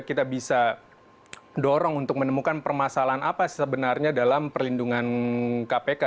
kita bisa dorong untuk menemukan permasalahan apa sebenarnya dalam perlindungan kpk